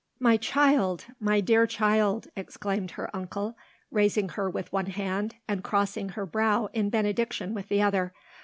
"My child! my dear child!" exclaimed her uncle, raising her with one hand, and crossing her brow in benediction with the other.